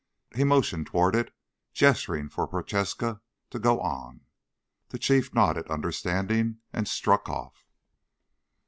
He motioned toward it, gesturing for Prochaska to go on. The Chief nodded understanding and struck off.